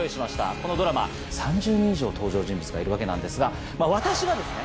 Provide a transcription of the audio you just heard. このドラマ３０人以上登場人物がいるわけなんですが私がですね